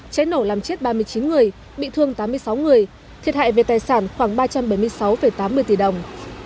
cháy nổ làm chết ba mươi chín người bị thương tám mươi sáu người thiệt hại về tài sản khoảng ba trăm bảy mươi sáu tám mươi tỷ đồng